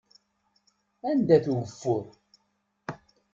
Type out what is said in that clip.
Anda-t ugeffur?